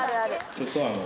ちょっとあの。